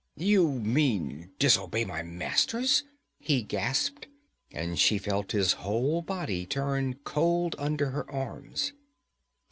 'You mean disobey my masters?' he gasped, and she felt his whole body turn cold under her arms.